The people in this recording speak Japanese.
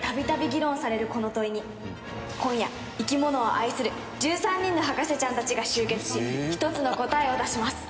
この問いに今夜生き物を愛する１３人の博士ちゃんたちが集結し１つの答えを出します。